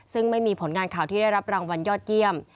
ซึ่งไม่มีผลงานข่าวที่ได้รับรางวัลยอดเยี่ยม